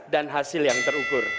dan hasil yang terukur